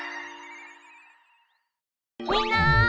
みんな！